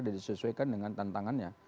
dan disesuaikan dengan tantangannya